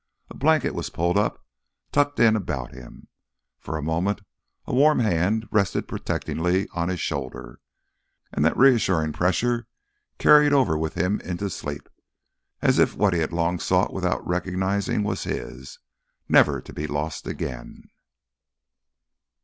A blanket was pulled up, tucked in about him. For a moment a warm hand rested protectingly on his shoulder. And that reassuring pressure carried over with him into sleep, as if what he had long sought without recognizing was his, never to be lost again.